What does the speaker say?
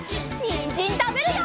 にんじんたべるよ！